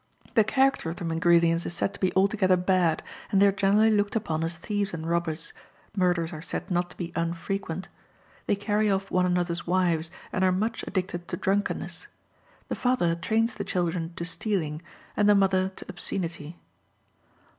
The character of the Mingrelians is said to be altogether bad, and they are generally looked upon as thieves and robbers; murders are said not to be unfrequent. They carry off one another's wives, and are much addicted to drunkenness. The father trains the children to stealing, and the mother to obscenity.